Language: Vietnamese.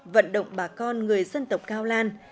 vận động bà con người dân tộc cao lan